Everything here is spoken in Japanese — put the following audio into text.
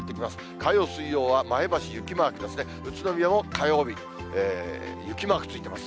火曜、水曜は前橋、雪マークですね、宇都宮も火曜日、雪マークついてます。